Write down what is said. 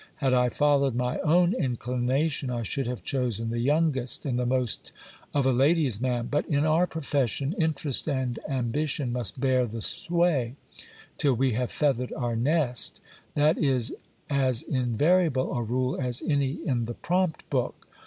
Had I followed my own inclination, I should have chosen the youngest, and the most of a lady's man ; but in our profession, interest and ambition must bear the sway, till we have feathered our nest ; that is as invariable a rule as any in the prompt book.